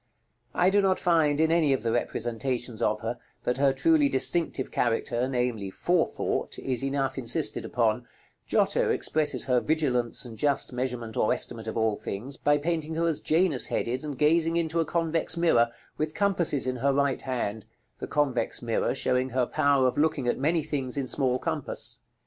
I do not find, in any of the representations of her, that her truly distinctive character, namely, forethought, is enough insisted upon: Giotto expresses her vigilance and just measurement or estimate of all things by painting her as Janus headed, and gazing into a convex mirror, with compasses in her right hand; the convex mirror showing her power of looking at many things in small compass.